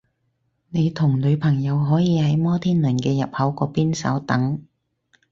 你同女朋友可以喺摩天輪嘅入口嗰邊稍等